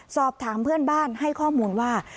สอบถามเพื่อนบ้านให้ข้อมูลว่า